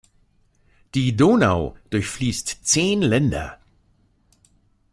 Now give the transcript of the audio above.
Die Donau durchfließt zehn Länder.